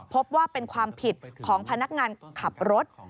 พบว่าเป็นความผิดของพนักงานขับรถ